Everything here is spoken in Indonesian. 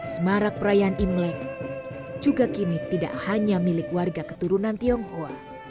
semarak perayaan imlek juga kini tidak hanya milik warga keturunan tionghoa